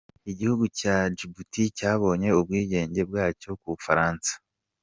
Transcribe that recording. Igihugu cya Djibouti cyabonye ubwigenge bwacyo ku Bufaransa.